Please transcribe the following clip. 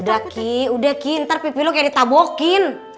udah ki udah ki ntar pipi lo kayak ditabokin